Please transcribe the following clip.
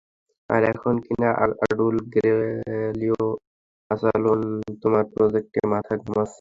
আর এখন কিনা অ্যাডুল গ্রেলিও আচানক তোমার প্রজেক্টে মাথা ঘামাচ্ছে!